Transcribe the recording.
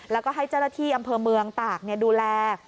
แล้วก็ให้เจ้าหน้าที่อำเภอเมืองตากดูแล